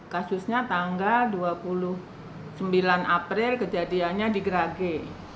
kasusnya tanggal dua puluh sembilan april kejadiannya di gerage